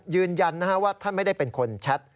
ยืนยันว่าท่านไม่ได้เป็นคนแชท